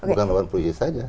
bukan melawan polisi saja